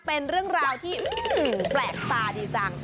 เป็นเรื่องราวที่แปลกตาดีจัง